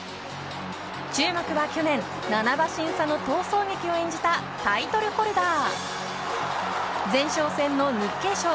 注目は去年、７馬身差の逃走劇を演じたタイトルホルダー。